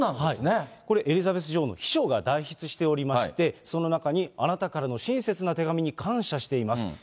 これ、エリザベス女王の秘書が代筆しておりまして、その中に、あなたからの親切な手紙に感謝しています。